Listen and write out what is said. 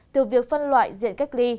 từ việc phân loại diện cách ly